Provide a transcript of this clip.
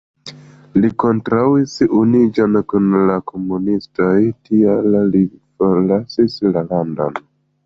Li kontraŭis unuiĝon kun la komunistoj, tial li forlasis la landon.